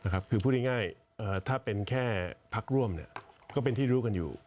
คือพูดง่ายถ้าเป็นแค่พักร่วมก็เป็นที่รู้กันอยู่